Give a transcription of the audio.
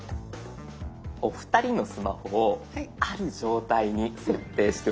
お二人のスマホをある状態に設定しておきました。